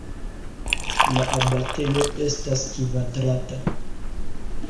La abatejo estas kvadrata.